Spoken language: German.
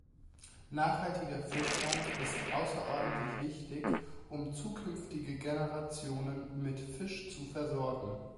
Nachhaltiger Fischfang ist außerordentlich wichtig, um zukünftige Generationen mit Fisch zu versorgen.